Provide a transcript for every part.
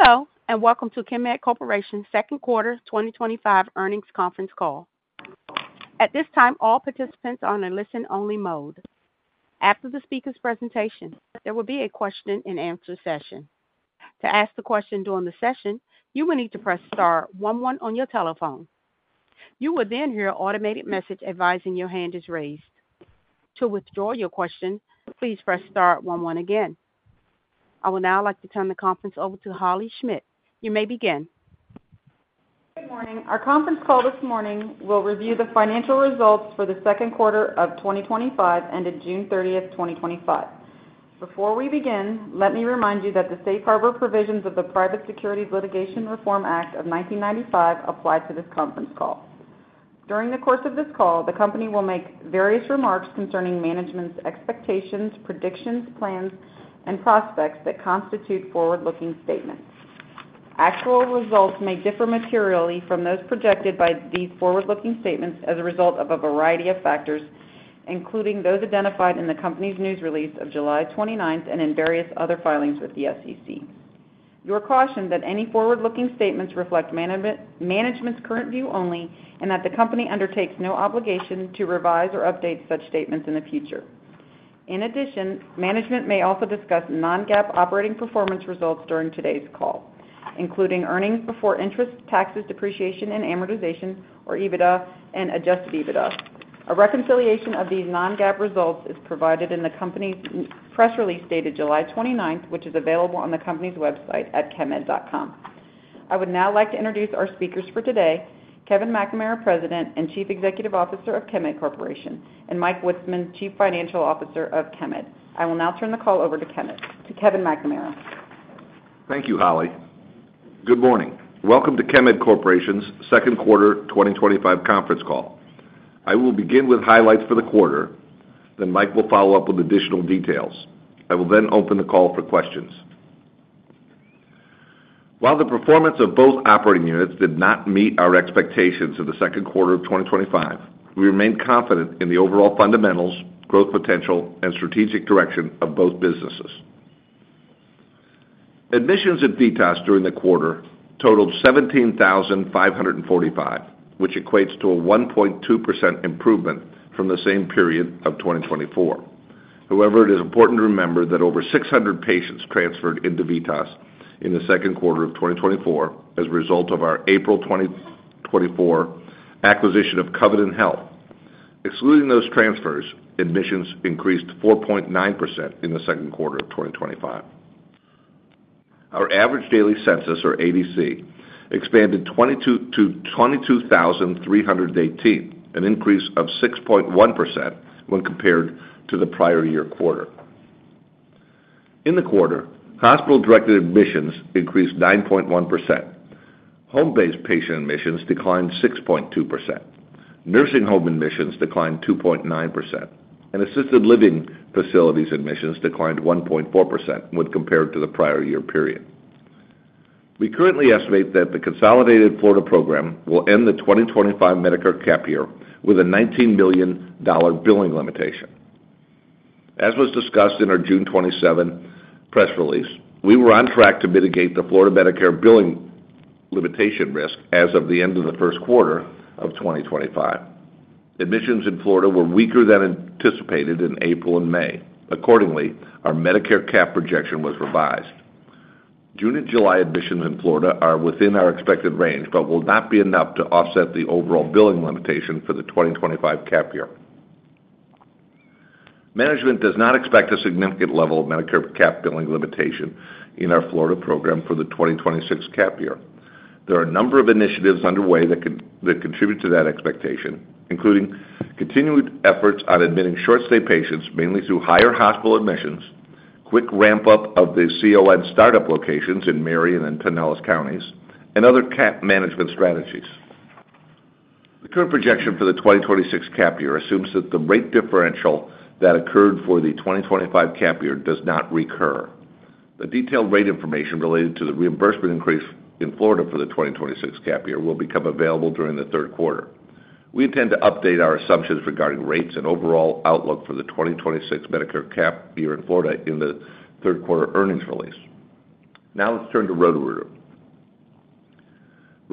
Hello, and welcome to Chemed Corporation's second quarter 2025 earnings conference call. At this time, all participants are in a listen-only mode. After the speaker's presentation, there will be a question and answer session. To ask a question during the session, you will need to press star one one on your telephone. You will then hear an automated message advising your hand is raised. To withdraw your question, please press star one one again. I would now like to turn the conference over to Holley Schmidt. You may begin. Good morning. Our conference call this morning will review the financial results for the second quarter of 2025 ended June 30th, 2025. Before we begin, let me remind you that the safe harbor provisions of the Private Securities Litigation Reform Act of 1995 apply to this conference call. During the course of this call, the company will make various remarks concerning management's expectations, predictions, plans, and prospects that constitute forward-looking statements. Actual results may differ materially from those projected by these forward-looking statements as a result of a variety of factors, including those identified in the company's news release of July 29th and in various other filings with the SEC. You are cautioned that any forward-looking statements reflect management's current view only and that the company undertakes no obligation to revise or update such statements in the future. In addition, management may also discuss non-GAAP operating performance results during today's call, including earnings before interest, taxes, depreciation, and amortization, or EBITDA and adjusted EBITDA. A reconciliation of these non-GAAP results is provided in the company's press release dated July 29th, which is available on the company's website at chemed.com. I would now like to introduce our speakers for today: Kevin McNamara, President and Chief Executive Officer of Chemed Corporation, and Mike Witzeman, Chief Financial Officer of Chemed. I will now turn the call over to Kevin McNamara. Thank you, Holley. Good morning. Welcome to Chemed Corporation's second quarter 2025 conference call. I will begin with highlights for the quarter, then Mike will follow up with additional details. I will then open the call for questions. While the performance of both operating units did not meet our expectations for the second quarter of 2025, we remain confident in the overall fundamentals, growth potential, and strategic direction of both businesses. Admissions and fee costs during the quarter totaled 17,545, which equates to a 1.2% improvement from the same period of 2024. However, it is important to remember that over 600 patients transferred into VITAS in the second quarter of 2024 as a result of our April 2024 acquisition of Covenant Health. Excluding those transfers, admissions increased 4.9% in the second quarter of 2025. Our average daily census, or ADC, expanded to 22,318, an increase of 6.1% when compared to the prior year quarter. In the quarter, hospital-directed admissions increased 9.1%. Home-based patient admissions declined 6.2%. Nursing home admissions declined 2.9%, and assisted living facilities admissions declined 1.4% when compared to the prior year period. We currently estimate that the consolidated Florida program will end the 2025 Medicare cap year with a $19 million billing limitation. As was discussed in our June 27th press release, we were on track to mitigate the Florida Medicare billing limitation risk as of the end of the first quarter of 2025. Admissions in Florida were weaker than anticipated in April and May. Accordingly, our Medicare cap projection was revised. June and July admissions in Florida are within our expected range but will not be enough to offset the overall billing limitation for the 2025 cap year. Management does not expect a significant level of Medicare cap billing limitation in our Florida program for the 2026 cap year. There are a number of initiatives underway that contribute to that expectation, including continued efforts on admitting short-stay patients, mainly through higher hospital admissions, quick ramp-up of the CON startup locations in Marion and Pinellas counties, and other cap management strategies. The current projection for the 2026 cap year assumes that the rate differential that occurred for the 2025 cap year does not recur. The detailed rate information related to the reimbursement increase in Florida for the 2026 cap year will become available during the third quarter. We intend to update our assumptions regarding rates and overall outlook for the 2026 Medicare cap year in Florida in the third quarter earnings release. Now let's turn to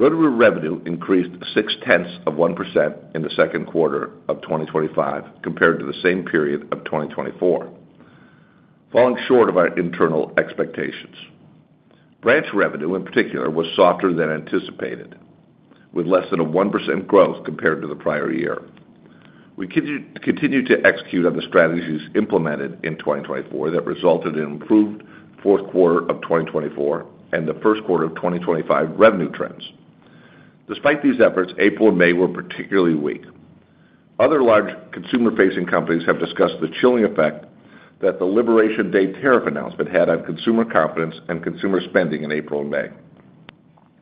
Roto-Rooter. Roto-Rooter revenue increased 0.6% in the second quarter of 2025 compared to the same period of 2024, falling short of our internal expectations. Branch revenue, in particular, was softer than anticipated, with less than 1% growth compared to the prior year. We continue to execute on the strategies implemented in 2024 that resulted in improved fourth quarter of 2024 and the first quarter of 2025 revenue trends. Despite these efforts, April and May were particularly weak. Other large consumer-facing companies have discussed the chilling effect that the Liberation Day tariff announcement had on consumer confidence and consumer spending in April and May.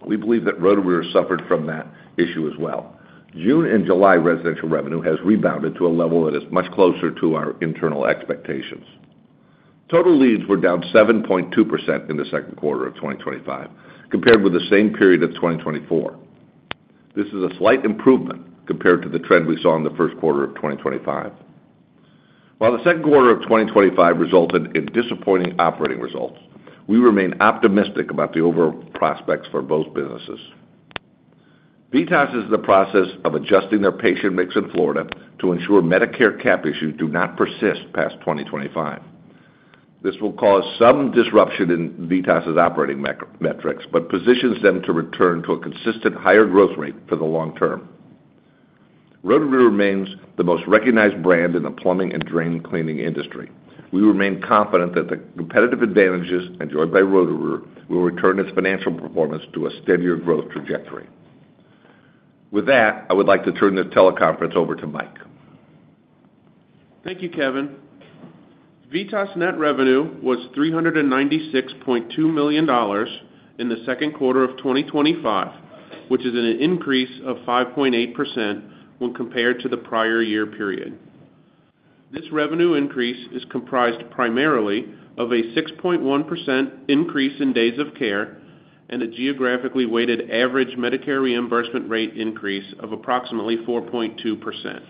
We believe that Roto-Rooter suffered from that issue as well. June and July residential revenue has rebounded to a level that is much closer to our internal expectations. Total leads were down 7.2% in the second quarter of 2025 compared with the same period of 2024. This is a slight improvement compared to the trend we saw in the first quarter of 2025. While the second quarter of 2025 resulted in disappointing operating results, we remain optimistic about the overall prospects for both businesses. VITAS is in the process of adjusting their patient mix in Florida to ensure Medicare cap issues do not persist past 2025. This will cause some disruption in VITAS' operating metrics but positions them to return to a consistent higher growth rate for the long term. Roto-Rooter remains the most recognized brand in the plumbing and drain cleaning industry. We remain confident that the competitive advantages enjoyed by Roto-Rooter will return its financial performance to a steadier growth trajectory. With that, I would like to turn the teleconference over to Mike. Thank you, Kevin. VITAS net revenue was $396.2 million in the second quarter of 2025, which is an increase of 5.8% when compared to the prior year period. This revenue increase is comprised primarily of a 6.1% increase in days of care and a geographically weighted average Medicare reimbursement rate increase of approximately 4.2%.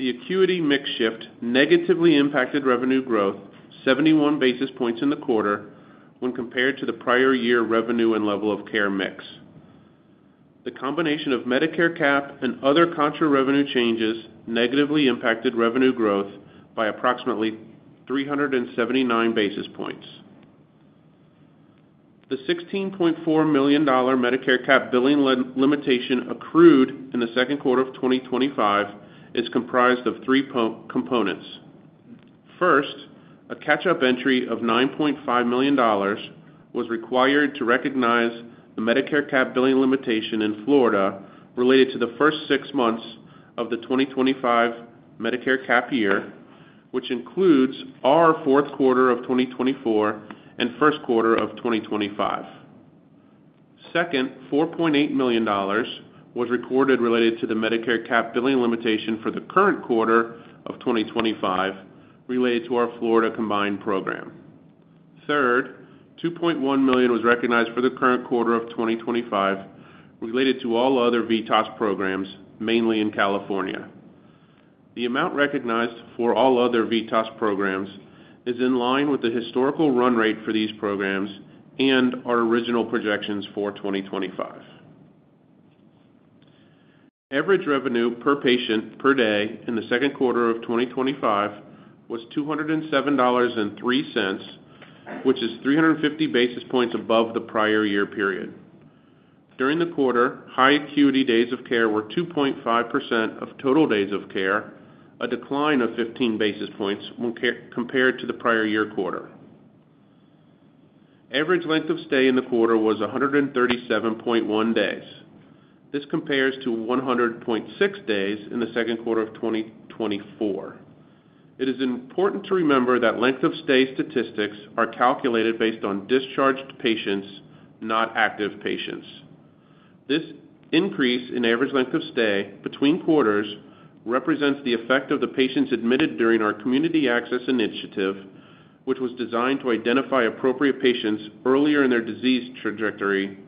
The acuity mix shift negatively impacted revenue growth 71 basis points in the quarter when compared to the prior year revenue and level of care mix. The combination of Medicare cap and other contra-revenue changes negatively impacted revenue growth by approximately 379 basis points. The $16.4 million Medicare cap billing limitation accrued in the second quarter of 2025 is comprised of three components. First, a catch-up entry of $9.5 million was required to recognize the Medicare cap billing limitation in Florida related to the first six months of the 2025 Medicare cap year, which includes our fourth quarter of 2024 and first quarter of 2025. Second, $4.8 million was recorded related to the Medicare cap billing limitation for the current quarter of 2025 related to our Florida combined program. Third, $2.1 million was recognized for the current quarter of 2025 related to all other VITAS programs, mainly in California. The amount recognized for all other VITAS programs is in line with the historical run rate for these programs and our original projections for 2025. Average revenue per patient per day in the second quarter of 2025 was $207.03, which is 350 basis points above the prior year period. During the quarter, high acuity days of care were 2.5% of total days of care, a decline of 15 basis points when compared to the prior year quarter. Average length of stay in the quarter was 137.1 days. This compares to 100.6 days in the second quarter of 2024. It is important to remember that length of stay statistics are calculated based on discharged patients, not active patients. This increase in average length of stay between quarters represents the effect of the patients admitted during our community access initiative, which was designed to identify appropriate patients earlier in their disease trajectory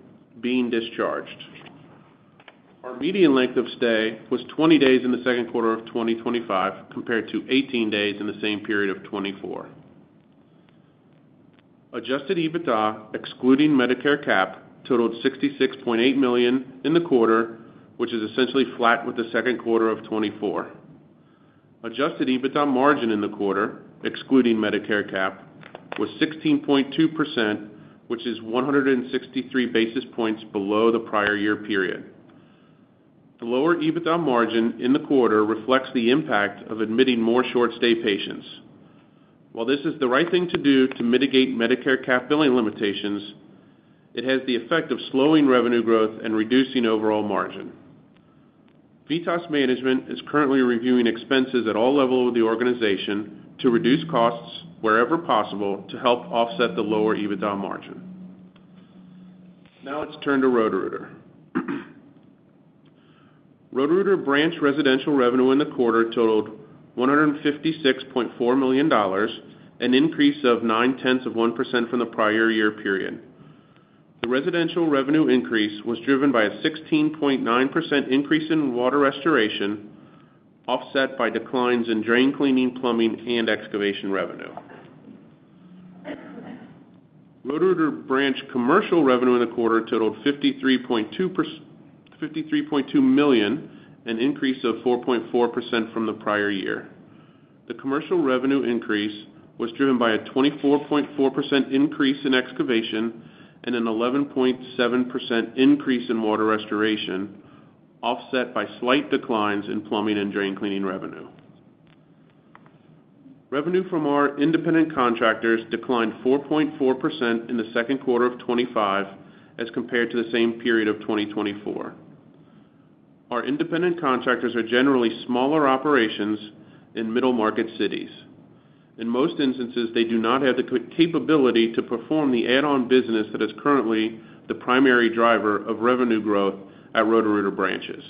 being discharged. Our median length of stay was 20 days in the second quarter of 2025 compared to 18 days in the same period of 2024. Adjusted EBITDA, excluding Medicare cap, totaled $66.8 million in the quarter, which is essentially flat with the second quarter of 2024. Adjusted EBITDA margin in the quarter, excluding Medicare cap, was 16.2%, which is 163 basis points below the prior year period. The lower EBITDA margin in the quarter reflects the impact of admitting more short-stay patients. While this is the right thing to do to mitigate Medicare cap billing limitations, it has the effect of slowing revenue growth and reducing overall margin. VITAS management is currently reviewing expenses at all levels of the organization to reduce costs wherever possible to help offset the lower EBITDA margin. Now let's turn to Roto-Rooter. Roto-Rooter branch residential revenue in the quarter totaled $156.4 million, an increase of 0.9% from the prior year period. The residential revenue increase was driven by a 16.9% increase in water restoration, offset by declines in drain cleaning, plumbing, and excavation revenue. Roto-Rooter branch commercial revenue in the quarter totaled $53.2 million, an increase of 4.4% from the prior year. The commercial revenue increase was driven by a 24.4% increase in excavation and an 11.7% increase in water restoration, offset by slight declines in plumbing and drain cleaning revenue. Revenue from our independent contractors declined 4.4% in the second quarter of 2025 as compared to the same period of 2024. Our independent contractors are generally smaller operations in middle-market cities. In most instances, they do not have the capability to perform the add-on business that is currently the primary driver of revenue growth at Roto-Rooter branches.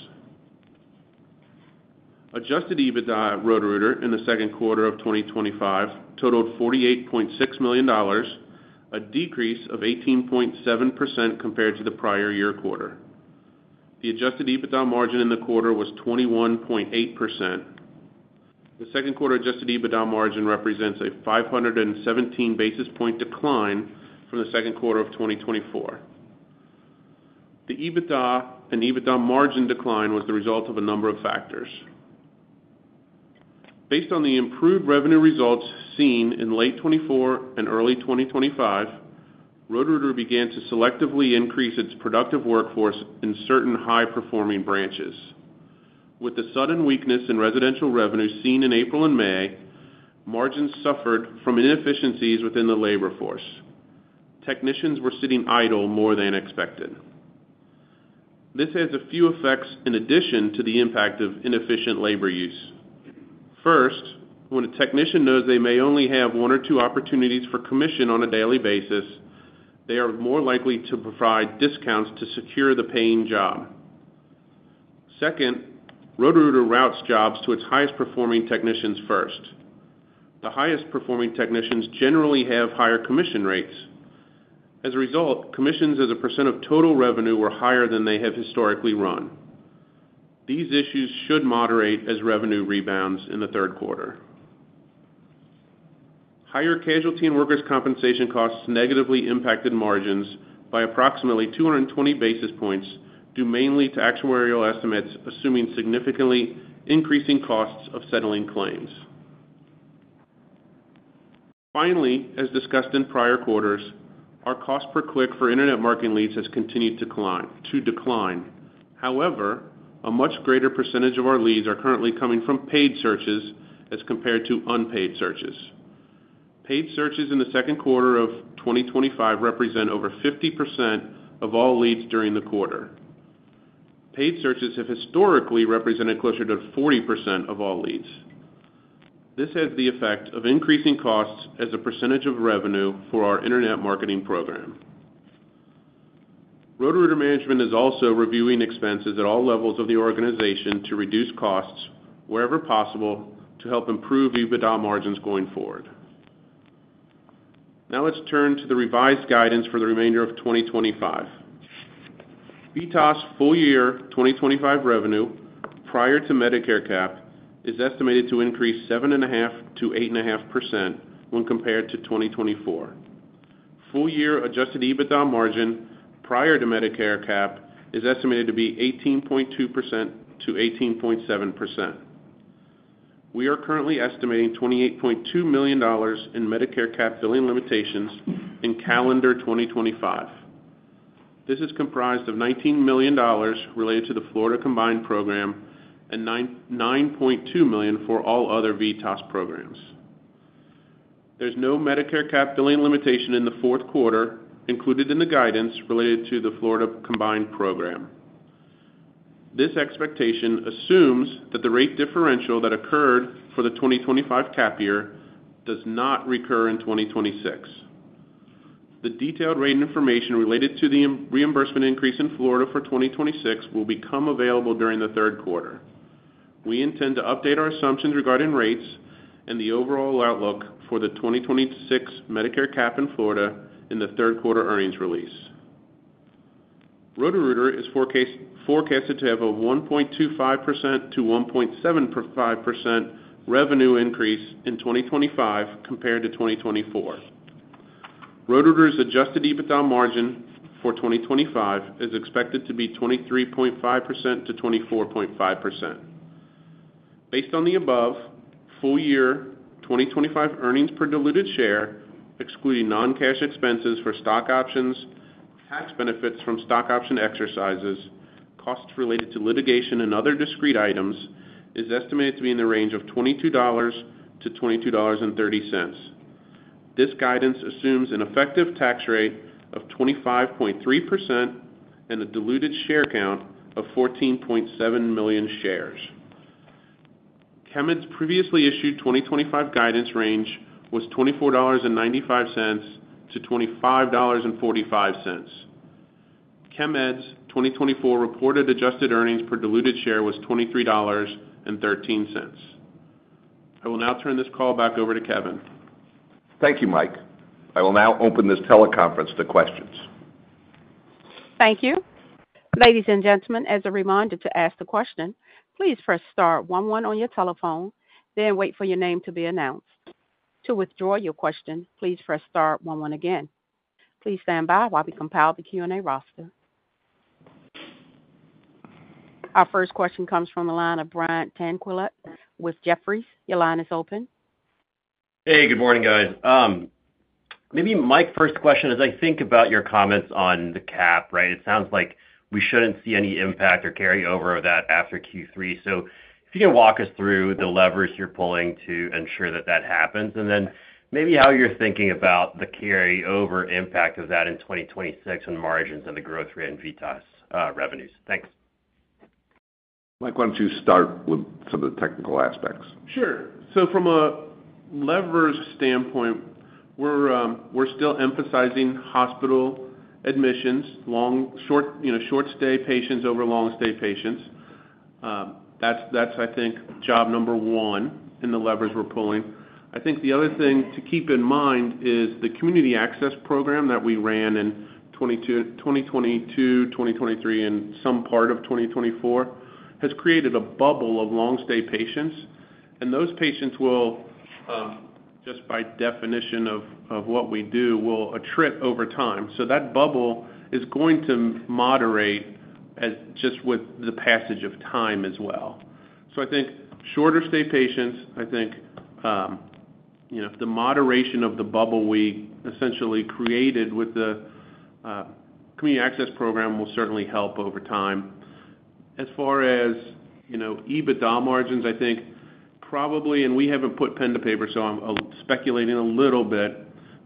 Adjusted EBITDA for Roto-Rooter in the second quarter of 2025 totaled $48.6 million, a decrease of 18.7% compared to the prior year quarter. The adjusted EBITDA margin in the quarter was 21.8%. The second quarter adjusted EBITDA margin represents a 517 basis point decline from the second quarter of 2024. The EBITDA and EBITDA margin decline was the result of a number of factors. Based on the improved revenue results seen in late 2024 and early 2025, Roto-Rooter began to selectively increase its productive workforce in certain high-performing branches. With the sudden weakness in residential revenue seen in April and May, margins suffered from inefficiencies within the labor force. Technicians were sitting idle more than expected. This has a few effects in addition to the impact of inefficient labor use. First, when a technician knows they may only have one or two opportunities for commission on a daily basis, they are more likely to provide discounts to secure the paying job. Second, Roto-Rooter routes jobs to its highest performing technicians first. The highest performing technicians generally have higher commission rates. As a result, commissions as a percentage of total revenue were higher than they have historically run. These issues should moderate as revenue rebounds in the third quarter. Higher casualty and workers' compensation costs negatively impacted margins by approximately 220 basis points, due mainly to actuarial estimates, assuming significantly increasing costs of settling claims. Finally, as discussed in prior quarters, our cost per click for internet marketing leads has continued to decline. However, a much greater percentage of our leads are currently coming from paid searches as compared to unpaid searches. Paid searches in the second quarter of 2025 represent over 50% of all leads during the quarter. Paid searches have historically represented closer to 40% of all leads. This has the effect of increasing costs as a percentage of revenue for our internet marketing program. Roto-Rooter management is also reviewing expenses at all levels of the organization to reduce costs wherever possible to help improve adjusted EBITDA margins going forward. Now let's turn to the revised guidance for the remainder of 2025. VITAS full-year 2025 revenue prior to Medicare cap is estimated to increase 7.5%-8.5% when compared to 2024. Full-year adjusted EBITDA margin prior to Medicare cap is estimated to be 18.2%-18.7%. We are currently estimating $28.2 million in Medicare cap billing limitations in calendar 2025. This is comprised of $19 million related to the Florida combined program and $9.2 million for all other VITAS Healthcare Corporation programs. There's no Medicare cap billing limitation in the fourth quarter included in the guidance related to the Florida combined program. This expectation assumes that the rate differential that occurred for the 2025 cap year does not recur in 2026. The detailed rate information related to the reimbursement increase in Florida for 2026 will become available during the third quarter. We intend to update our assumptions regarding rates and the overall outlook for the 2026 Medicare cap in Florida in the third quarter earnings release. Roto-Rooter is forecasted to have a 1.25%-1.75% revenue increase in 2025 compared to 2024. Roto-Rooter's adjusted EBITDA margin for 2025 is expected to be 23.5%-24.5%. Based on the above, full-year 2025 earnings per diluted share, excluding non-cash expenses for stock options, tax benefits from stock option exercises, costs related to litigation, and other discrete items, is estimated to be in the range of $22-$22.30. This guidance assumes an effective tax rate of 25.3% and a diluted share count of 14.7 million shares. Chemed's previously issued 2025 guidance range was $24.95-$25.45. Chemed's 2024 reported adjusted earnings per diluted share was $23.13. I will now turn this call back over to Kevin. Thank you, Mike. I will now open this teleconference to questions. Thank you. Ladies and gentlemen, as a reminder to ask a question, please press star one one on your telephone, then wait for your name to be announced. To withdraw your question, please press star one one again. Please stand by while we compile the Q&A roster. Our first question comes from the line of Brian Tanquilut with Jefferies. Your line is open. Hey, good morning, guys. Maybe my first question is, I think about your comments on the cap, right? It sounds like we shouldn't see any impact or carryover of that after Q3. If you can walk us through the levers you're pulling to ensure that that happens, and then maybe how you're thinking about the carryover impact of that in 2026 on margins and the growth rate in VITAS revenues. Thanks. Mike, why don't you start with some of the technical aspects? Sure. From a levers standpoint, we're still emphasizing hospital admissions, short-stay patients over long-stay patients. That's, I think, job number one in the levers we're pulling. The other thing to keep in mind is the community access program that we ran in 2022, 2023, and some part of 2024 has created a bubble of long-stay patients. Those patients will, just by definition of what we do, attrit over time. That bubble is going to moderate just with the passage of time as well. I think shorter-stay patients and the moderation of the bubble we essentially created with the community access program will certainly help over time. As far as adjusted EBITDA margins, probably, and we haven't put pen to paper, so I'm speculating a little bit,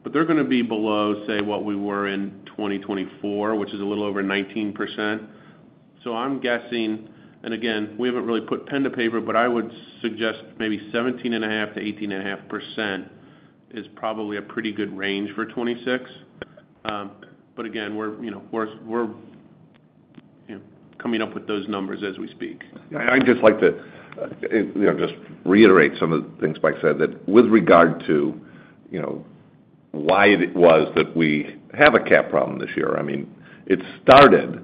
but they're going to be below, say, what we were in 2024, which is a little over 19%. I'm guessing, and again, we haven't really put pen to paper, but I would suggest maybe 17.5%-18.5% is probably a pretty good range for 2026. Again, we're coming up with those numbers as we speak. Yeah, I'd just like to reiterate some of the things Mike said with regard to why it was that we have a cap problem this year. It started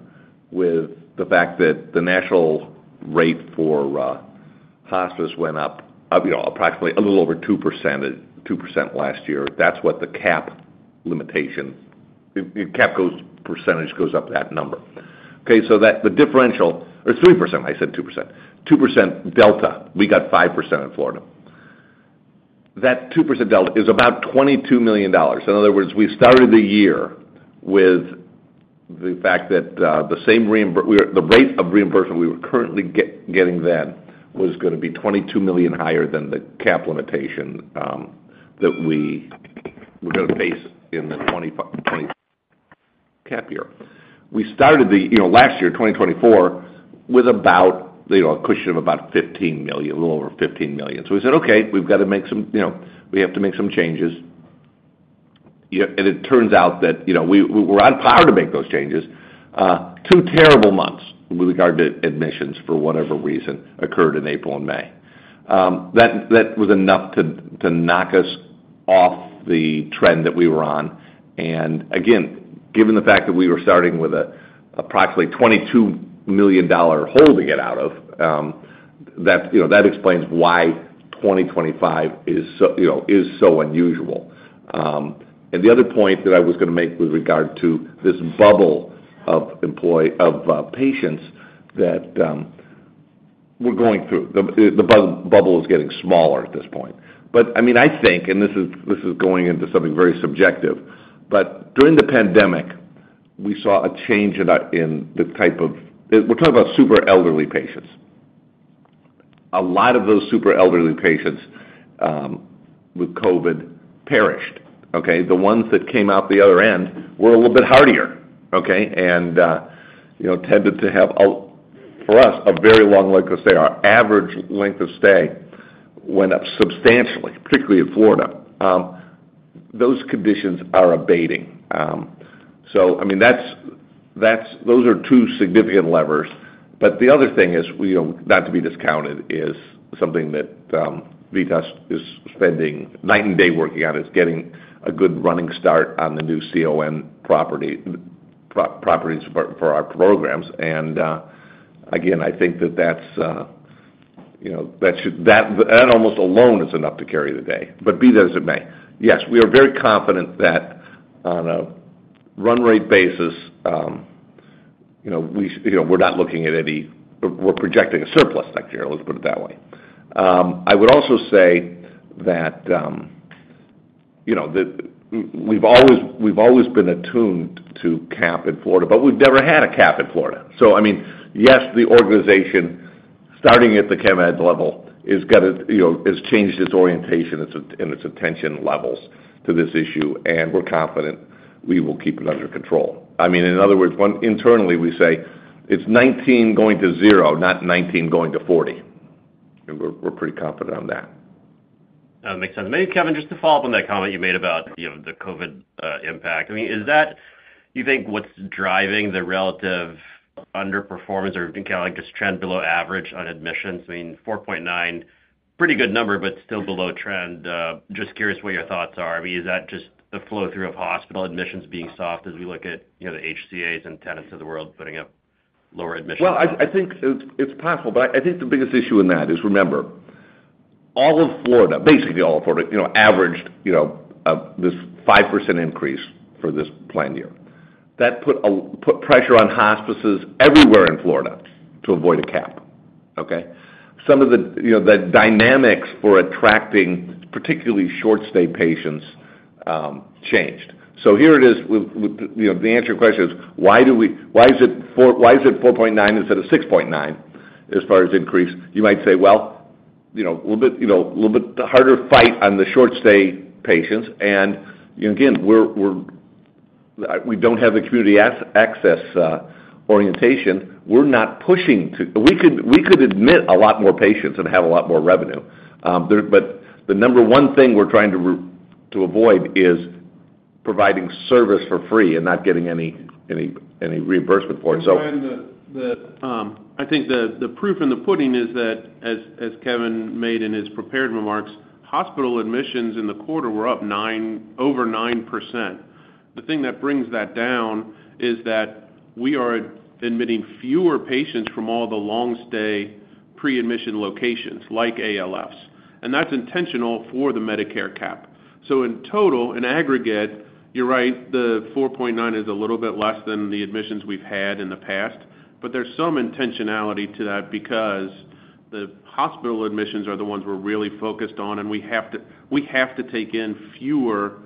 with the fact that the national rate for hospice went up approximately a little over 2% last year. That's what the cap limitation, the cap percentage, goes up to, that number. The differential, or 3%, I said 2%. 2% delta, we got 5% in Florida. That 2% delta is about $22 million. In other words, we started the year with the fact that the same reimbursement, the rate of reimbursement we were currently getting then, was going to be $22 million higher than the cap limitation that we were going to face in the 2025 cap year. We started last year, 2024, with about a cushion of about $15 million, a little over $15 million. We said, okay, we've got to make some, you know, we have to make some changes. It turns out that we were on par to make those changes. Two terrible months with regard to admissions, for whatever reason, occurred in April and May. That was enough to knock us off the trend that we were on. Given the fact that we were starting with an approximately $22 million hole to get out of, that explains why 2025 is so unusual. The other point that I was going to make with regard to this bubble of patients that we're going through, the bubble is getting smaller at this point. I think, and this is going into something very subjective, but during the pandemic, we saw a change in the type of, we're talking about super elderly patients. A lot of those super elderly patients, with COVID, perished. The ones that came out the other end were a little bit hardier and tended to have, for us, a very long length of stay. Our average length of stay went up substantially, particularly in Florida. Those conditions are abating. Those are two significant levers. The other thing, not to be discounted, is something that VITAS is spending night and day working on, which is getting a good running start on the new CON properties for our programs. I think that should, that almost alone is enough to carry the day. Be that as it may, yes, we are very confident that on a run rate basis, we're not looking at any, we're projecting a surplus next year. Let's put it that way. I would also say that we've always been attuned to cap in Florida, but we've never had a cap in Florida. I mean, yes, the organization starting at the Chemed level has changed its orientation and its attention levels to this issue, and we're confident we will keep it under control. In other words, internally, we say it's 19 going to 0, not 19 going to 40. We're pretty confident on that. That makes sense. Maybe, Kevin, just to follow up on that comment you made about the COVID impact. Is that, you think, what's driving the relative underperformance or kind of just trend below average on admissions? I mean, 4.9, pretty good number, but still below trend. Just curious what your thoughts are. Is that just the flow-through of hospital admissions being soft as we look at the HCAs and Tenets of the world putting up lower admissions? I think it's possible, but I think the biggest issue in that is, remember, basically all of Florida averaged this 5% increase for this planned year. That put pressure on hospices everywhere in Florida to avoid a cap. Some of the dynamics for attracting particularly short-stay patients changed. The answer to your question is, why is it 4.9% instead of 6.9% as far as increase? You might say, a little bit harder fight on the short-stay patients. Again, we don't have the community access orientation. We're not pushing to, we could admit a lot more patients and have a lot more revenue, but the number one thing we're trying to avoid is providing service for free and not getting any reimbursement for it. I think the proof in the pudding is that, as Kevin made in his prepared remarks, hospital admissions in the quarter were up over 9%. The thing that brings that down is that we are admitting fewer patients from all the long-stay pre-admission locations like ALFs. That's intentional for the Medicare cap. In total, in aggregate, you're right, the 4.9% is a little bit less than the admissions we've had in the past. There's some intentionality to that because the hospital admissions are the ones we're really focused on, and we have to take in fewer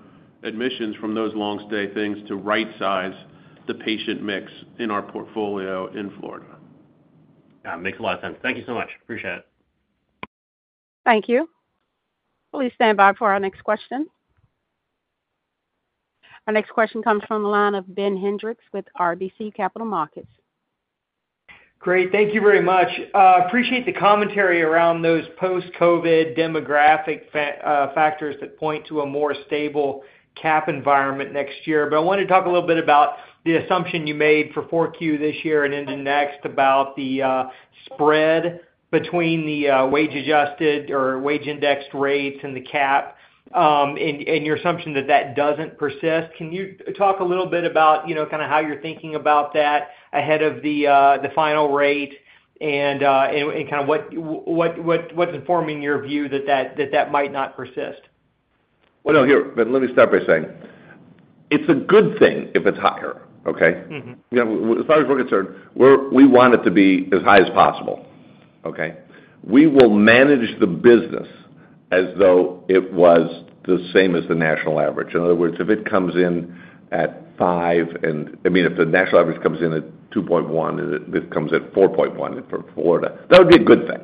admissions from those long-stay things to right-size the patient mix in our portfolio in Florida. Yeah, it makes a lot of sense. Thank you so much. Appreciate it. Thank you. Please stand by for our next question. Our next question comes from the line of Ben Hendrix with RBC Capital Markets. Great. Thank you very much. Appreciate the commentary around those post-COVID demographic factors that point to a more stable cap environment next year. I wanted to talk a little bit about the assumption you made for 4Q this year and into next about the spread between the wage-adjusted or wage-indexed rates and the cap, and your assumption that that doesn't persist. Can you talk a little bit about how you're thinking about that ahead of the final rate and what’s informing your view that that might not persist? Let me start by saying, it's a good thing if it's higher. As far as we're concerned, we want it to be as high as possible. We will manage the business as though it was the same as the national average. In other words, if it comes in at 5% and, I mean, if the national average comes in at 2.1% and it comes at 4.1% for Florida, that would be a good thing.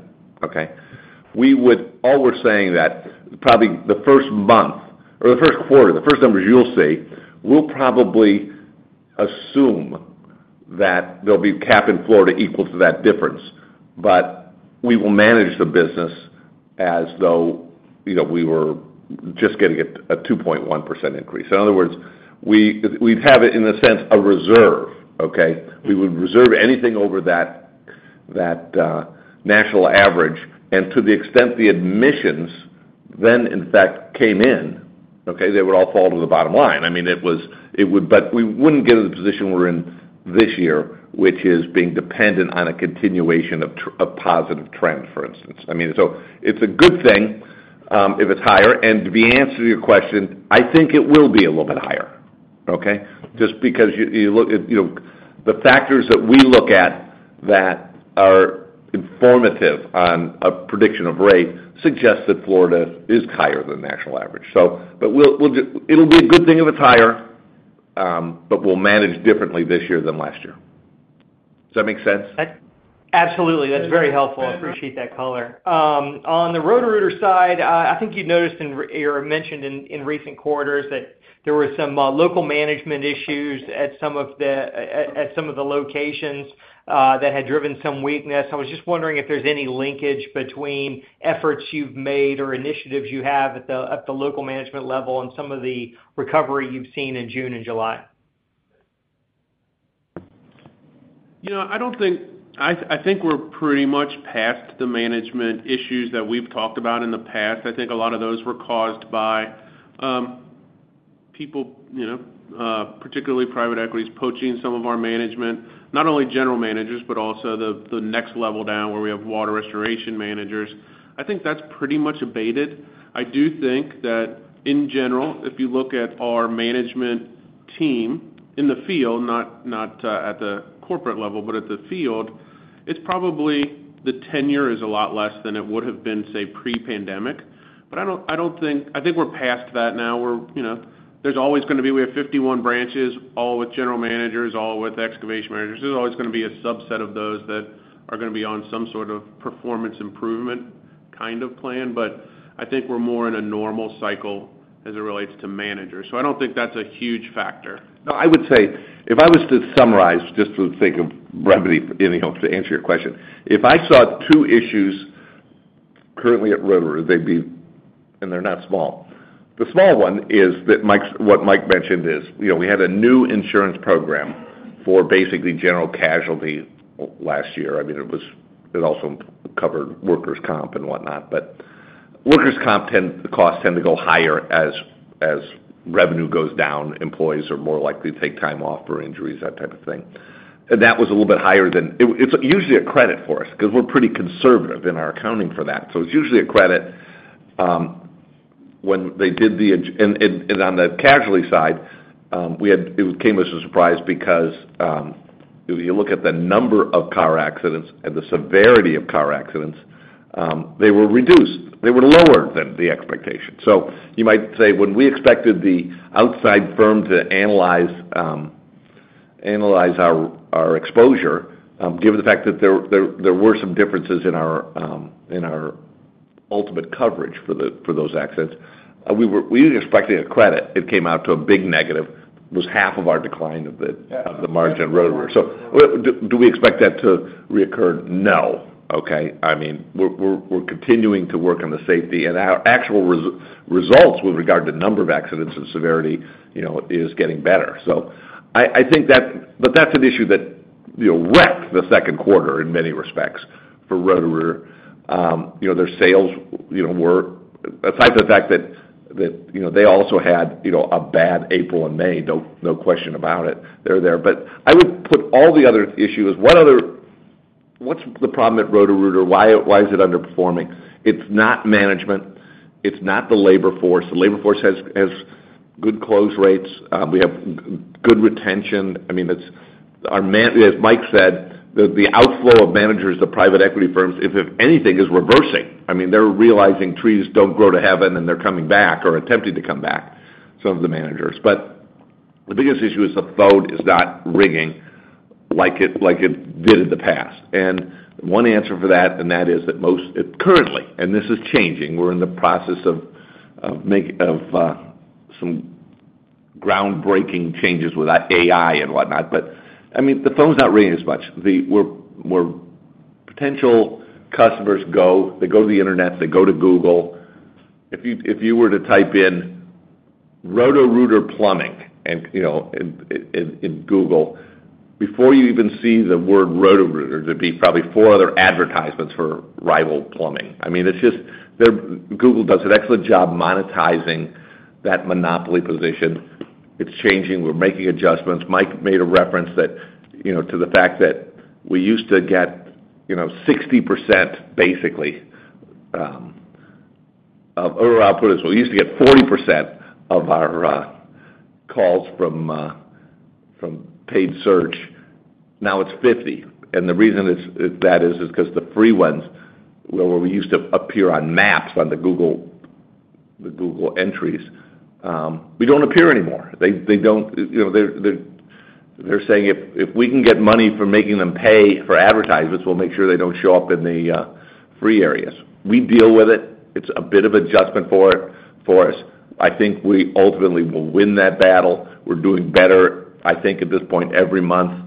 All we're saying is that probably the first month or the first quarter, the first numbers you'll see, we'll probably assume that there'll be a Medicare cap in Florida equal to that difference. We will manage the business as though we were just getting a 2.1% increase. In other words, we'd have it in a sense of reserve. We would reserve anything over that national average. To the extent the admissions then, in fact, came in, they would all fall to the bottom line. I mean, it would, but we wouldn't get to the position we're in this year, which is being dependent on a continuation of a positive trend, for instance. It is a good thing if it's higher. To answer your question, I think it will be a little bit higher. Just because you look at the factors that we look at that are informative on a prediction of rate suggest that Florida is higher than the national average. It will be a good thing if it's higher, but we'll manage differently this year than last year. Does that make sense? Absolutely. That's very helpful. I appreciate that color. On the Roto-Rooter side, I think you noticed in, or mentioned in recent quarters that there were some local management issues at some of the locations that had driven some weakness. I was just wondering if there's any linkage between efforts you've made or initiatives you have at the local management level and some of the recovery you've seen in June and July. I don't think, I think we're pretty much past the management issues that we've talked about in the past. I think a lot of those were caused by people, particularly private equities poaching some of our management, not only General Managers, but also the next level down where we have Water Restoration Managers. I think that's pretty much abated. I do think that in general, if you look at our management team in the field, not at the corporate level, but at the field, probably the tenure is a lot less than it would have been, say, pre-pandemic. I don't think, I think we're past that now. There's always going to be, we have 51 branches, all with General Managers, all with Excavation Managers. There's always going to be a subset of those that are going to be on some sort of performance improvement kind of plan. I think we're more in a normal cycle as it relates to managers. I don't think that's a huge factor. No, I would say if I was to summarize, just to think of remedy, you know, to answer your question, if I saw two issues currently at Roto-Rooter revenue, they'd be, and they're not small. The small one is that Mike, what Mike mentioned is, you know, we had a new insurance program for basically general casualty last year. I mean, it also covered workers' comp and whatnot. Workers' comp costs tend to go higher as revenue goes down. Employees are more likely to take time off for injuries, that type of thing. That was a little bit higher than it's usually a credit for us because we're pretty conservative in our accounting for that. It's usually a credit. When they did the, and on the casualty side, it came as a surprise because you look at the number of car accidents and the severity of car accidents, they were reduced. They were lower than the expectation. You might say when we expected the outside firm to analyze our exposure, given the fact that there were some differences in our ultimate coverage for those accidents, we expected a credit. It came out to a big negative. It was half of our decline of the margin in Roto-Rooter. Do we expect that to reoccur? No. We're continuing to work on the safety, and our actual results with regard to the number of accidents and severity is getting better. I think that, but that's an issue that wrecked the second quarter in many respects for Roto-Rooter. Their sales, aside from the fact that they also had a bad April and May, no question about it. They're there. I would put all the other issues as one other, what's the problem at Roto-Rooter? Why is it underperforming? It's not management. It's not the labor force. The labor force has good close rates. We have good retention. As Mike said, the outflow of managers, the private equity firms, if anything, is reversing. They're realizing trees don't grow to heaven, and they're coming back or attempting to come back, some of the managers. The biggest issue is the phone is not ringing like it did in the past. One answer for that is that most, currently, and this is changing, we're in the process of making some groundbreaking changes with AI and whatnot. The phone's not ringing as much. Where potential customers go, they go to the internet, they go to Google. If you were to type in Roto-Rooter plumbing in Google, before you even see the word Roto-Rooter, there'd be probably four other advertisements for rival plumbing. It's just, Google does an excellent job monetizing that monopoly position. It's changing. We're making adjustments. Mike made a reference to the fact that we used to get 60% basically of order output, as we used to get 40% of our calls from paid search. Now it's 50%. The reason that is, is because the free ones, where we used to appear on maps on the Google entries, we don't appear anymore. They're saying if we can get money for making them pay for advertisements, we'll make sure they don't show up in the free areas. We deal with it. It's a bit of adjustment for us. I think we ultimately will win that battle. We're doing better, I think, at this point every month.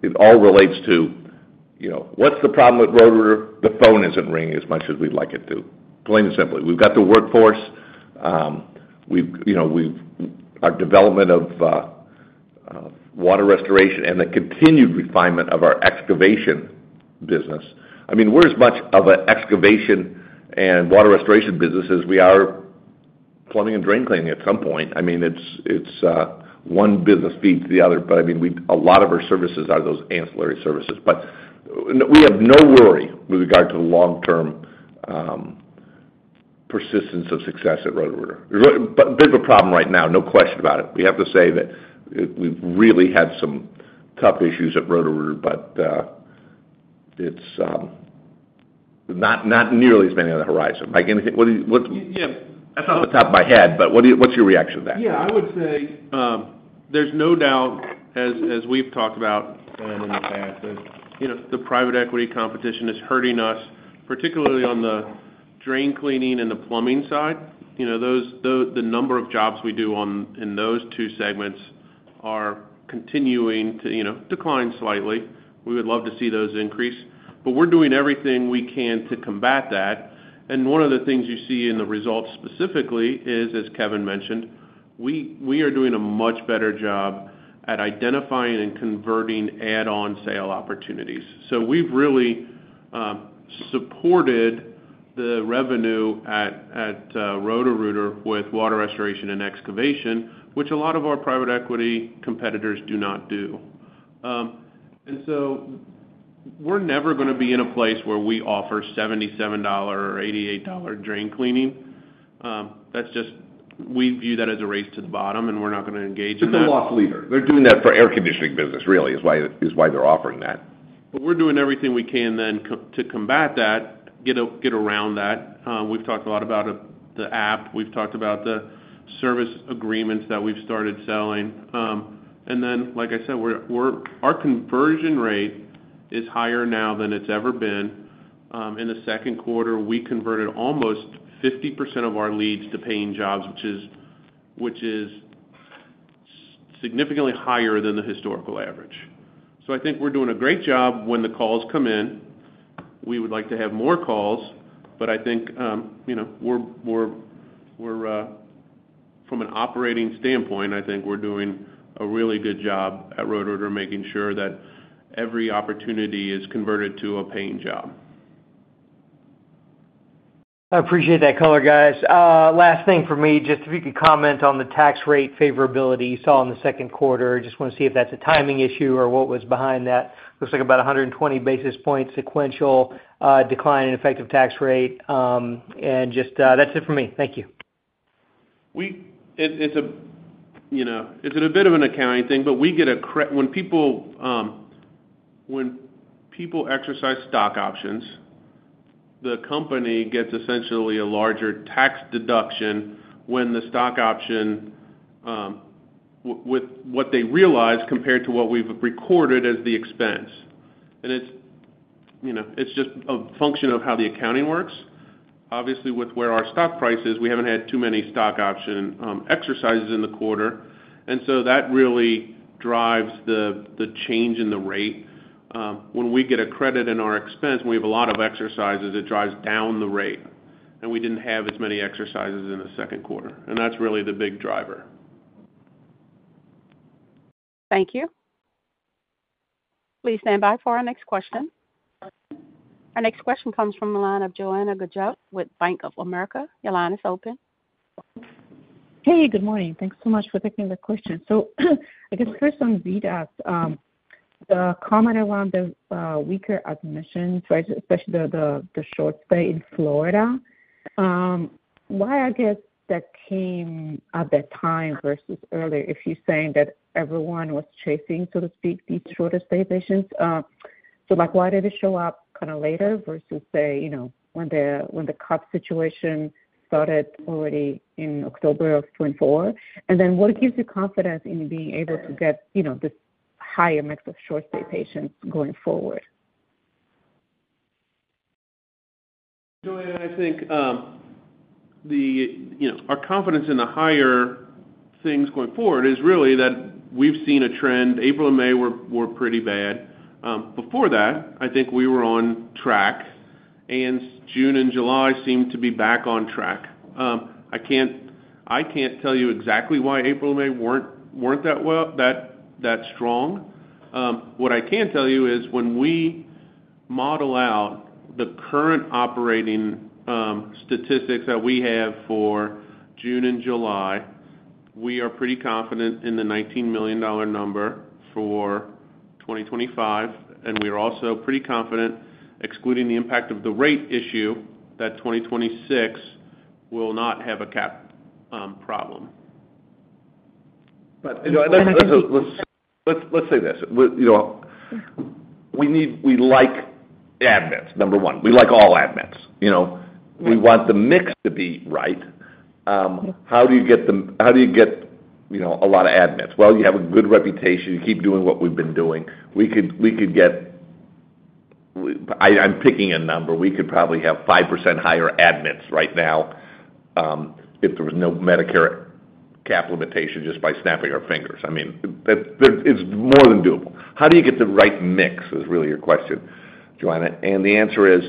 It all relates to what's the problem with Roto-Rooter. The phone isn't ringing as much as we'd like it to, plain and simply. We've got the workforce. Our development of water restoration and the continued refinement of our excavation business, we're as much of an excavation and water restoration business as we are plumbing and drain cleaning at some point. One business feeds the other. A lot of our services are those ancillary services. We have no worry with regard to the long-term persistence of success at Roto-Rooter. A bit of a problem right now, no question about it. We have to say that we've really had some tough issues at Roto-Rooter, but it's not nearly as many on the horizon. Mike, anything, what's your reaction to that? Yeah, I would say there's no doubt, as we've talked about in the past, that the private equity competition is hurting us, particularly on the drain cleaning and the plumbing side. The number of jobs we do in those two segments are continuing to decline slightly. We would love to see those increase. We're doing everything we can to combat that. One of the things you see in the results specifically is, as Kevin mentioned, we are doing a much better job at identifying and converting add-on sale opportunities. We've really supported the revenue at Roto-Rooter with water restoration and excavation, which a lot of our private equity competitors do not do. We're never going to be in a place where we offer $77 or $88 drain cleaning. We view that as a race to the bottom, and we're not going to engage in that. It's the loss leader. They're doing that for air conditioning business, really, is why they're offering that. We're doing everything we can to combat that, get around that. We've talked a lot about the app. We've talked about the service agreements that we've started selling. Like I said, our conversion rate is higher now than it's ever been. In the second quarter, we converted almost 50% of our leads to paying jobs, which is significantly higher than the historical average. I think we're doing a great job when the calls come in. We would like to have more calls, but I think from an operating standpoint, we're doing a really good job at Roto-Rooter, making sure that every opportunity is converted to a paying job. I appreciate that color, guys. Last thing for me, just if you could comment on the tax rate favorability you saw in the second quarter. I just want to see if that's a timing issue or what was behind that. Looks like about 120 basis points sequential, decline in effective tax rate. That's it for me. Thank you. It's a bit of an accounting thing, but we get a credit when people exercise stock options. The company gets essentially a larger tax deduction when the stock option, with what they realize compared to what we've recorded as the expense. It's just a function of how the accounting works. Obviously, with where our stock price is, we haven't had too many stock option exercises in the quarter. That really drives the change in the rate. When we get a credit in our expense, when we have a lot of exercises, it drives down the rate. We didn't have as many exercises in the second quarter, and that's really the big driver. Thank you. Please stand by for our next question. Our next question comes from the line of Joanna Gadjuk with Bank of America. Your line is open. Hey, good morning. Thanks so much for taking the question. First on VITAS, the comment around the weaker admissions, right, especially the short-stay in Florida. Why that came at that time versus earlier if you're saying that everyone was chasing, so to speak, these short-stay patients? Why did it show up kind of later versus, say, when the Medicare cap situation started already in October of 2024? What gives you confidence in being able to get this higher mix of short-stay patients going forward? Joanna, I think our confidence in the higher things going forward is really that we've seen a trend. April and May were pretty bad. Before that, I think we were on track. June and July seemed to be back on track. I can't tell you exactly why April and May weren't that strong. What I can tell you is when we model out the current operating statistics that we have for June and July, we are pretty confident in the $19 million number for 2025. We are also pretty confident, excluding the impact of the rate issue, that 2026 will not have a cap problem. Let's say this. We need, we like admits, number one. We like all admits. We want the mix to be right. How do you get a lot of admits? You have a good reputation. You keep doing what we've been doing. We could probably have 5% higher admits right now if there was no Medicare cap limitation just by snapping our fingers. That's there, it's more than doable. How do you get the right mix is really your question, Joanna. The answer is,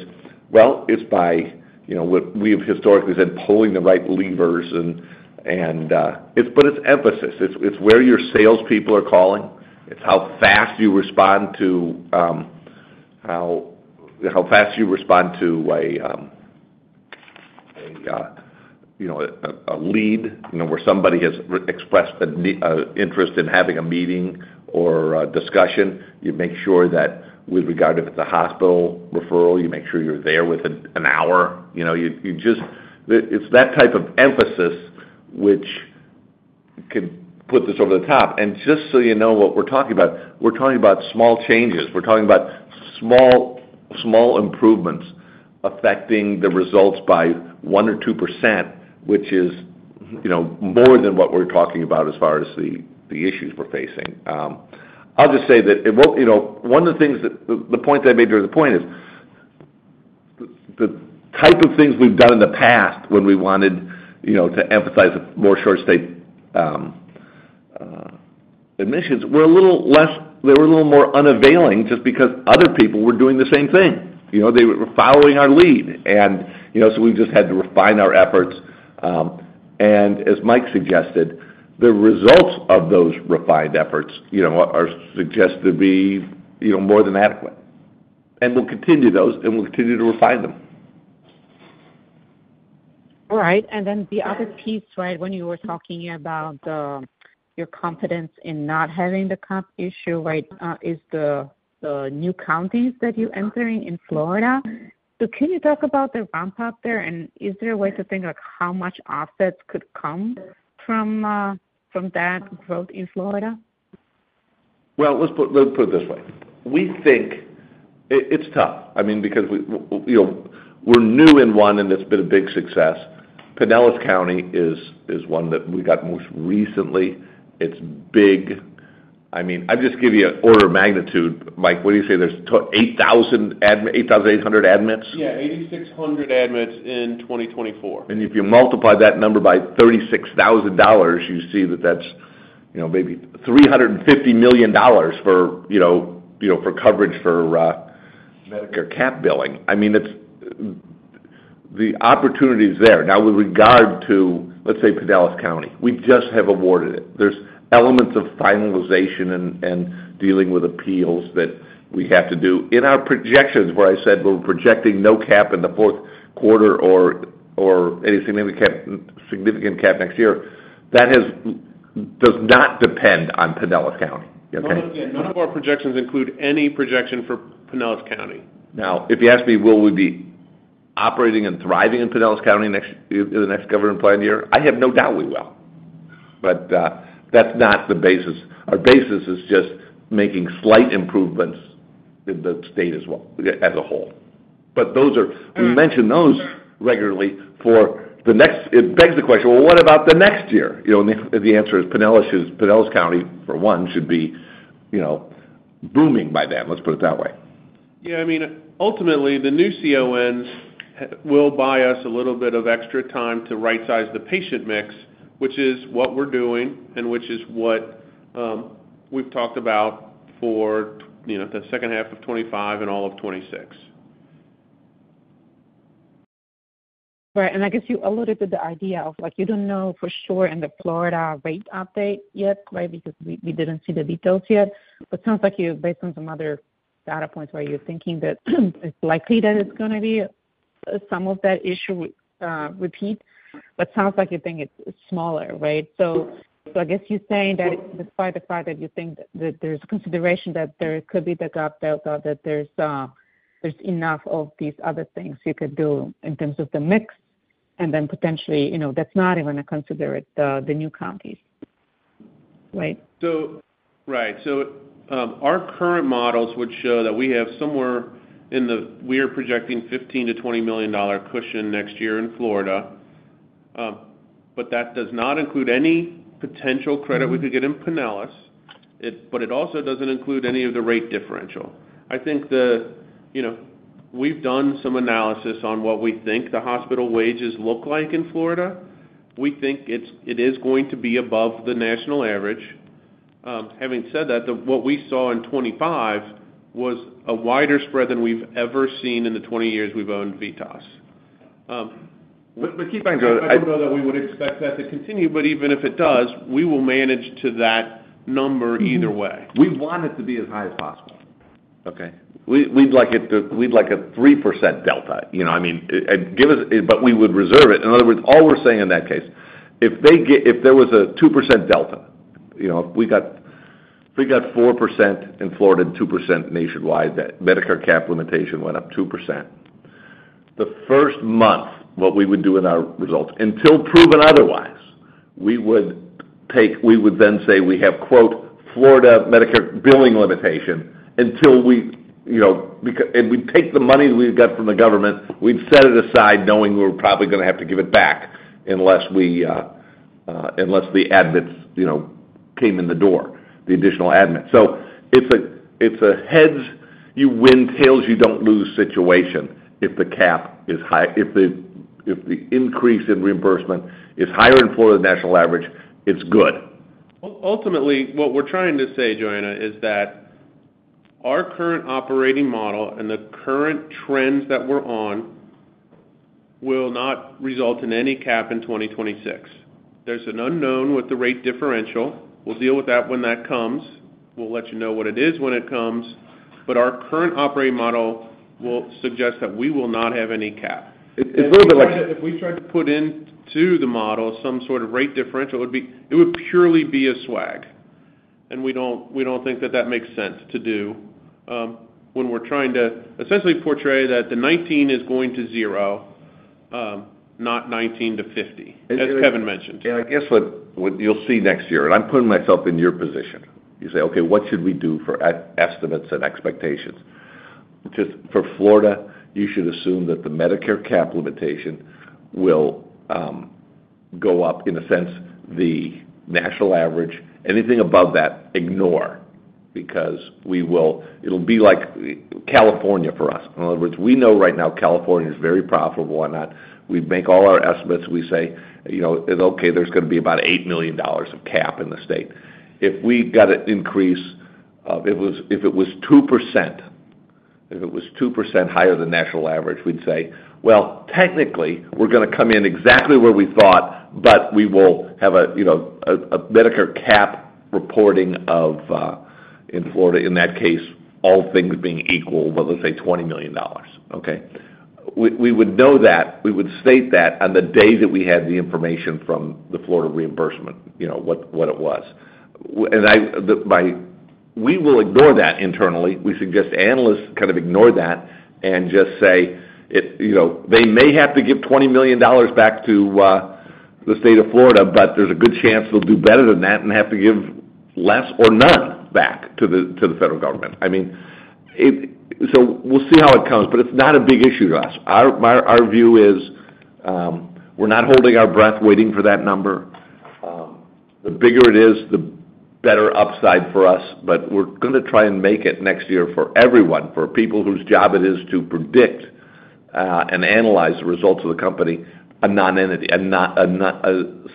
it's by what we've historically said, pulling the right levers. It's emphasis. It's where your salespeople are calling. It's how fast you respond to a lead, where somebody has expressed an interest in having a meeting or a discussion. You make sure that with regard to the hospital referral, you make sure you're there within an hour. It's that type of emphasis which can put this over the top. Just so you know what we're talking about, we're talking about small changes. We're talking about small improvements affecting the results by 1% or 2%, which is more than what we're talking about as far as the issues we're facing. I'll just say that one of the things, the point that I made during the point is the type of things we've done in the past when we wanted to emphasize more short-stay admissions were a little less, they were a little more unavailing just because other people were doing the same thing. They were following our lead. We just had to refine our efforts. As Mike suggested, the results of those refined efforts are suggested to be more than adequate. We'll continue those, and we'll continue to refine them. All right. The other piece, when you were talking about your confidence in not having the comp issue, is the new counties that you're entering in Florida. Can you talk about the ramp-up there? Is there a way to think like how much offsets could come from that growth in Florida? Let's put it this way. We think it's tough. I mean, because we, you know, we're new in one, and it's been a big success. Pinellas County is one that we got most recently. It's big. I mean, I'll just give you an order of magnitude. Mike, what do you say? There's 8,800 admits? Yeah, 8,600 admits in 2024. If you multiply that number by $36,000, you see that that's maybe $350 million for coverage for Medicare cap billing. The opportunity is there. Now, with regard to, let's say, Pinellas County, we just have awarded it. There are elements of finalization and dealing with appeals that we have to do. In our projections, where I said we're projecting no cap in the fourth quarter or any significant cap next year, that does not depend on Pinellas County. None of our projections include any projection for Pinellas County. Now, if you ask me, will we be operating and thriving in Pinellas County in the next governor plan year? I have no doubt we will. That is not the basis. Our basis is just making slight improvements in the state as well as a whole. Those are, we mention those regularly for the next, it begs the question, what about the next year? The answer is Pinellas County, for one, should be booming by then. Let's put it that way. Yeah, I mean, ultimately, the new CON locations will buy us a little bit of extra time to right-size the patient mix, which is what we're doing and which is what we've talked about for, you know, the second half of 2025 and all of 2026. Right. I guess you alluded to the idea of like you don't know for sure in the Florida rate update yet, right, because we didn't see the details yet. It sounds like you, based on some other data points, where you're thinking that it's likely that it's going to be some of that issue with, repeat. It sounds like you think it's smaller, right? I guess you're saying that despite the fact that you think that there's a consideration that there could be the gap built out, there's enough of these other things you could do in terms of the mix, and then potentially, you know, that's not even a considerate the new counties, right? Right. Our current models would show that we are projecting a $15 to $20 million cushion next year in Florida. That does not include any potential credit we could get in Pinellas County. It also doesn't include any of the rate differential. I think we've done some analysis on what we think the hospital wages look like in Florida. We think it is going to be above the national average. Having said that, what we saw in 2025 was a wider spread than we've ever seen in the 20 years we've owned VITAS. Keep in mind. I don't know that we would expect that to continue, but even if it does, we will manage to that number either way. We want it to be as high as possible. Okay. We'd like it to, we'd like a 3% delta. I mean, give us, but we would reserve it. In other words, all we're saying in that case, if they get, if there was a 2% delta, if we got 4% in Florida and 2% nationwide, that Medicare cap limitation went up 2%. The first month, what we would do in our results, until proven otherwise, we would take, we would then say we have quote Florida Medicare cap billing limitation until we, you know, and we'd take the money that we got from the government. We'd set it aside knowing we were probably going to have to give it back unless the admits, you know, came in the door, the additional admit. It's a heads, you win, tails, you don't lose situation if the cap is high. If the increase in reimbursement is higher than Florida national average, it's good. Ultimately, what we're trying to say, Joanna, is that our current operating model and the current trends that we're on will not result in any cap in 2026. There's an unknown with the rate differential. We'll deal with that when that comes. We'll let you know what it is when it comes. Our current operating model will suggest that we will not have any cap. It's a little bit like. If we tried to put into the model some sort of rate differential, it would purely be a swag. We don't think that that makes sense to do, when we're trying to essentially portray that the 19% is going to 0%, not 19% to 50%, as Kevin mentioned. I guess what you'll see next year, and I'm putting myself in your position, you say, okay, what should we do for estimates and expectations? Just for Florida, you should assume that the Medicare cap limitation will go up in a sense, the national average. Anything above that, ignore because we will, it'll be like California for us. In other words, we know right now California is very profitable. Why not? We make all our estimates. We say, you know, okay, there's going to be about $8 million of cap in the state. If we got an increase of, if it was 2% higher than the national average, we'd say, well, technically, we're going to come in exactly where we thought, but we will have a Medicare cap reporting of, in Florida, in that case, all things being equal, let's say $20 million. Okay? We would know that. We would state that on the day that we had the information from the Florida reimbursement, you know, what it was. We will ignore that internally. We suggest analysts kind of ignore that and just say, you know, they may have to give $20 million back to the state of Florida, but there's a good chance they'll do better than that and have to give less or none back to the federal government. I mean, it, we'll see how it comes, but it's not a big issue to us. Our view is, we're not holding our breath waiting for that number. The bigger it is, the better upside for us, but we're going to try and make it next year for everyone, for people whose job it is to predict and analyze the results of the company, a non-entity,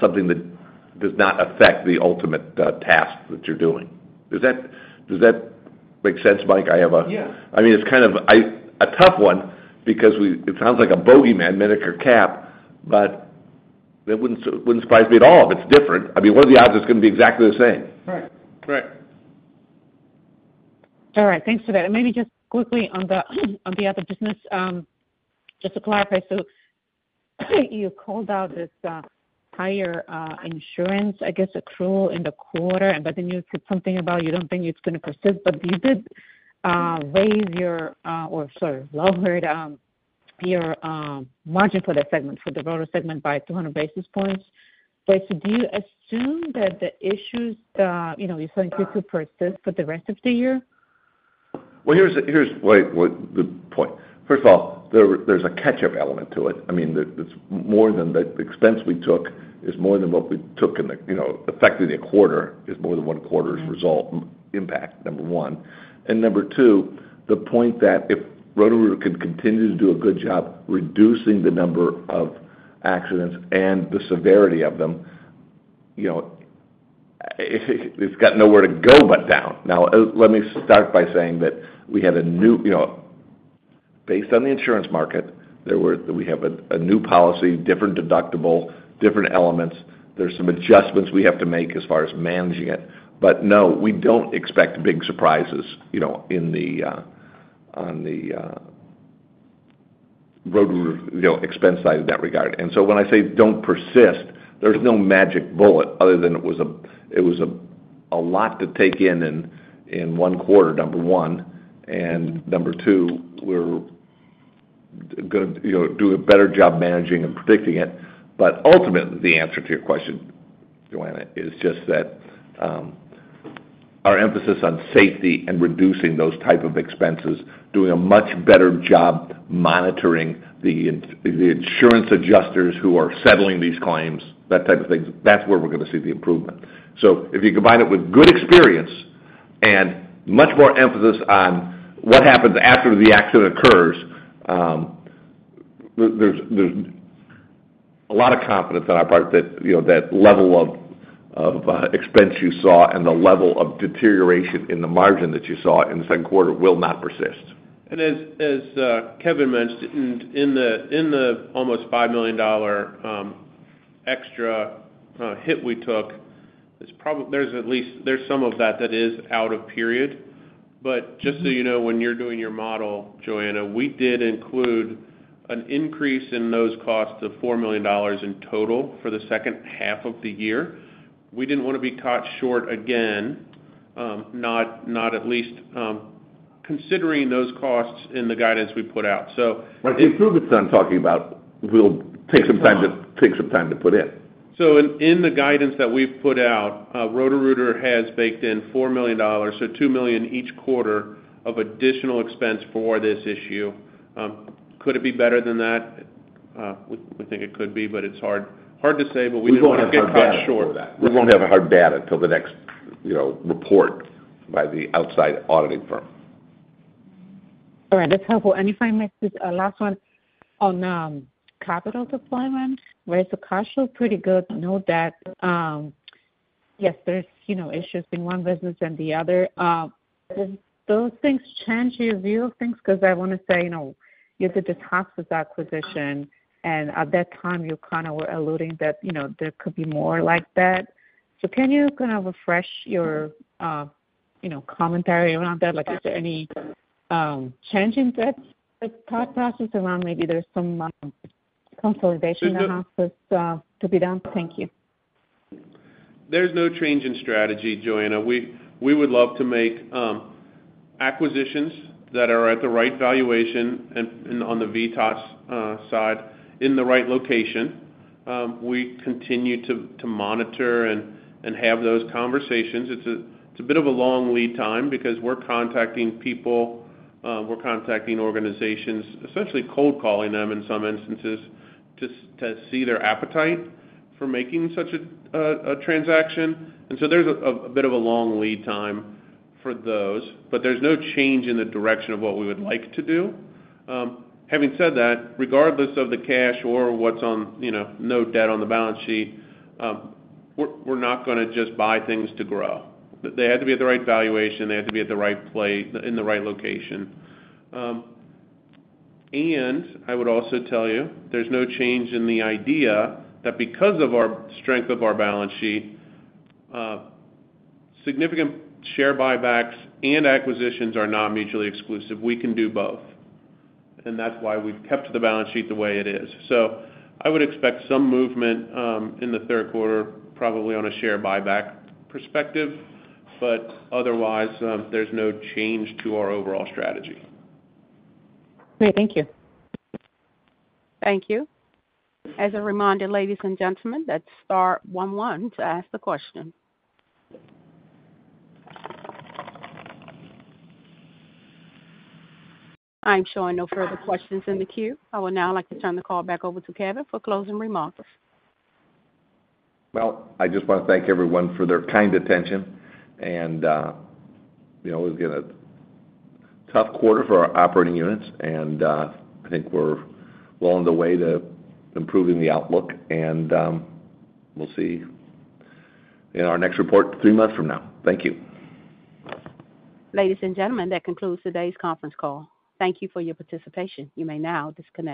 something that does not affect the ultimate task that you're doing. Does that make sense, Mike? I have a, Yeah. I mean, it's kind of a tough one because we, it sounds like a bogeyman, Medicare cap, but that wouldn't surprise me at all if it's different. I mean, what are the odds it's going to be exactly the same? Right. Right. All right. Thanks for that. Maybe just quickly on the other business, just to clarify, you called out this higher insurance, I guess, accrual in the quarter, and then you said something about you don't think it's going to persist, but you did lower your margin for the segment, for the Roto-Rooter segment by 200 basis points. Do you assume that the issues you're seeing in Q2 persist for the rest of the year? First of all, there's a catch-up element to it. I mean, the extents we took is more than what we took in the, you know, effectively a quarter is more than one quarter's result impact, number one. Number two, the point that if Roto-Rooter can continue to do a good job reducing the number of accidents and the severity of them, it's got nowhere to go but down. Let me start by saying that we had a new, you know, based on the insurance market, we have a new policy, different deductible, different elements. There are some adjustments we have to make as far as managing it. No, we don't expect big surprises in the Roto-Rooter expense side of that regard. When I say don't persist, there's no magic bullet other than it was a lot to take in in one quarter, number one. Number two, we're going to do a better job managing and predicting it. Ultimately, the answer to your question, Joanna, is just that our emphasis on safety and reducing those types of expenses, doing a much better job monitoring the insurance adjusters who are settling these claims, that type of thing, that's where we're going to see the improvement. If you combine it with good experience and much more emphasis on what happens after the accident occurs, there's a lot of confidence on our part that, you know, that level of expense you saw and the level of deterioration in the margin that you saw in the second quarter will not persist. As Kevin mentioned, in the almost $5 million extra hit we took, there's probably at least some of that that is out of period. Just so you know, when you're doing your model, Joanna, we did include an increase in those costs of $4 million in total for the second half of the year. We didn't want to be caught short again, not at least considering those costs in the guidance we put out. The improvements that I'm talking about will take some time to put in. In the guidance that we've put out, Roto-Rooter has baked in $4 million, so $2 million each quarter of additional expense for this issue. Could it be better than that? We think it could be, but it's hard to say, but we didn't want to get caught short. We won't have a hard bat until the next report by the outside auditing firm. All right. That's helpful. If I may say a last one on capital deployment, raise the cash flow pretty good. Note that, yes, there's, you know, issues in one business and the other. Do those things change your view of things? I want to say, you did this hospice acquisition, and at that time, you kind of were alluding that there could be more like that. Can you kind of refresh your commentary around that? Is there any change in that thought process around maybe there's some consolidation in the hospice to be done? Thank you. There's no change in strategy, Joanna. We would love to make acquisitions that are at the right valuation and on the VITAS side in the right location. We continue to monitor and have those conversations. It's a bit of a long lead time because we're contacting people, we're contacting organizations, essentially cold calling them in some instances to see their appetite for making such a transaction. There's a bit of a long lead time for those, but there's no change in the direction of what we would like to do. Having said that, regardless of the cash or what's on, you know, no debt on the balance sheet, we're not going to just buy things to grow. They have to be at the right valuation. They have to be at the right place in the right location. I would also tell you, there's no change in the idea that because of the strength of our balance sheet, significant share buybacks and acquisitions are not mutually exclusive. We can do both. That's why we've kept the balance sheet the way it is. I would expect some movement in the third quarter, probably on a share buyback perspective, but otherwise, there's no change to our overall strategy. Great. Thank you. Thank you. As a reminder, ladies and gentlemen, that's star one one to ask the question. I'm showing no further questions in the queue. I would now like to turn the call back over to Kevin for closing remarks. I just want to thank everyone for their kind attention. It was going to be a tough quarter for our operating units, and I think we're well on the way to improving the outlook. We'll see in our next report three months from now. Thank you. Ladies and gentlemen, that concludes today's conference call. Thank you for your participation. You may now discontinue.